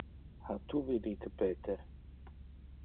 Ha tu vidite Peter?